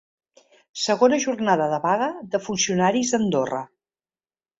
Segona jornada de vaga de funcionaris a Andorra.